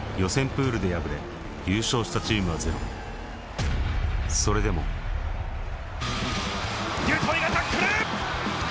プールで敗れ優勝したチームは０それでもデュトイがタックル！